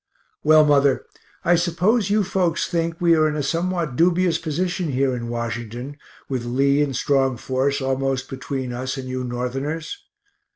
Well, mother, I suppose you folks think we are in a somewhat dubious position here in Washington, with Lee in strong force almost between us and you Northerners.